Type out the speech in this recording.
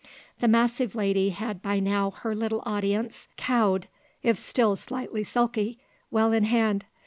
The massive lady had by now her little audience, cowed, if still slightly sulky, well in hand.